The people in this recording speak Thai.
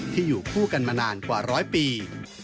ที่อยู่คู่กันมานานกว่าร้อยปี